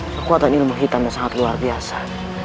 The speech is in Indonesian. kekuatan ilmu hitam yang sangat luar biasa